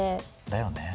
だよね。